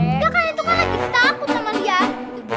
enggak kalian tuh kan lagi takut sama maliah